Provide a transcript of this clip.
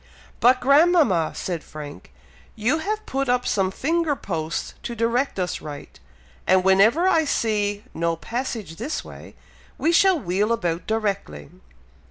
"But grandmama!" said Frank, "you have put up some finger posts to direct us right; and whenever I see 'no passage this way,' we shall wheel about directly."